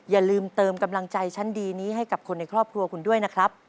อย่าลืมเติมกำลังใจชั้นดีนี้ให้กับคนในครอบครัวคุณด้วยนะครับ